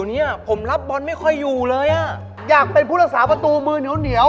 อันนี้ของถูกอยู่ในมือพี่